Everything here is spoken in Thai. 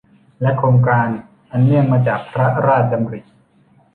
และโครงการอันเนื่องมาจากพระราชดำริ